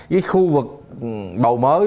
cái khu vực bầu mới